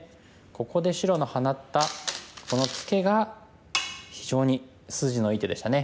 ここで白の放ったこのツケが非常に筋のいい手でしたね。